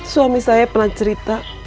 suami saya pernah cerita